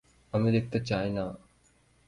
আমি দেখতে চাই না।